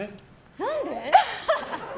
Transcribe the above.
何で？